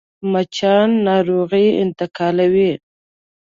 مچان ناروغي انتقالوي